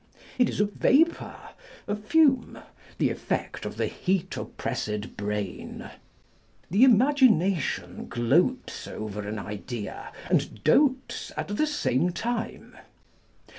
It is a vapour, a fume, the effect of the " heat oppressed brain." The imagination gloats over an idea, and doats at the same time.